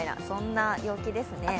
そんな陽気ですね。